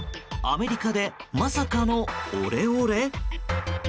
アメリカでまさかのオレオレ？